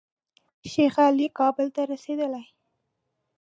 شیخ علي کابل ته رسېدلی.